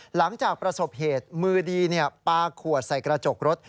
หลังจากประสบเหตุมือดีปลาขวดใส่กระจกรถ